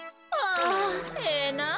あええなあ